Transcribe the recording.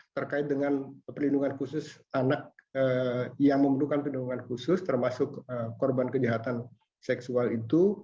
terkait dengan perlindungan khusus anak yang membutuhkan perlindungan khusus termasuk korban kejahatan seksual itu